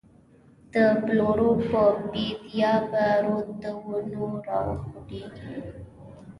د بلورو په بید یا به، رود د وینو را خوټیږی